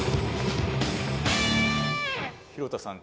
廣田さん